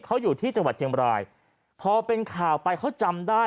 เขาอยู่ที่จังหวัดเชียงบรายพอเป็นข่าวไปเขาจำได้